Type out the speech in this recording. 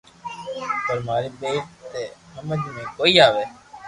پر ماري ٻيئر ني تو ھمج ۾ ڪوئي َآوي